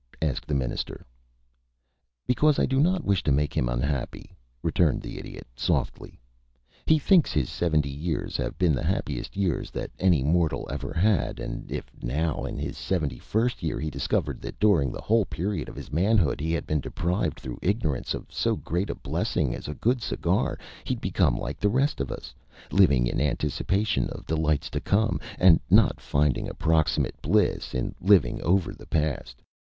asked the Minister. "Because I do not wish to make him unhappy," returned the Idiot, softly. "He thinks his seventy years have been the happiest years that any mortal ever had, and if now in his seventy first year he discovered that during the whole period of his manhood he had been deprived through ignorance of so great a blessing as a good cigar, he'd become like the rest of us, living in anticipation of delights to come, and not finding approximate bliss in living over the past.